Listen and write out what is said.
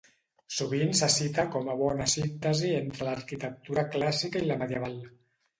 Sovint se cita com a bona síntesi entre l'arquitectura clàssica i la medieval.